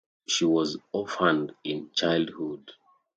She was orphaned in childhood.